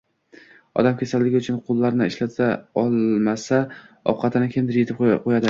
Odam kasalligi uchun qo‘llarini ishlata olmasa, ovqatini kimdir yedirib qo‘yadi.